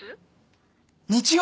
日曜？